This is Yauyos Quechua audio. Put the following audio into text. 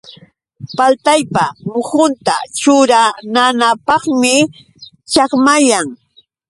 Paltaypa muhunta churananapqmi chakmayan.